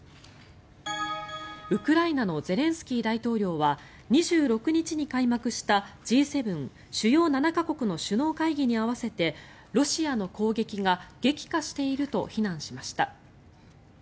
ウクライナのゼレンスキー大統領は２６日に開幕したＧ７・主要７か国の首脳会議に合わせてロシアの攻撃が激化していると非難しました。